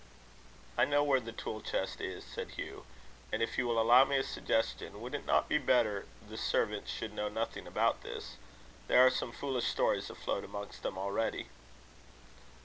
"I know where the tool chest is," said Hugh; "and, if you will allow me a suggestion, would it not be better the servants should know nothing about this? There are some foolish stories afloat amongst them already."